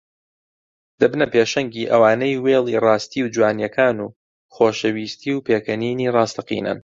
دەبنە پێشەنگی ئەوانەی وێڵی ڕاستی و جوانییەکان و خۆشەویستی و پێکەنینی ڕاستەقینەن